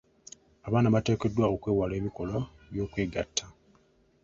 Abaana bateekeddwa okwewala ebikolwa by'okwegatta.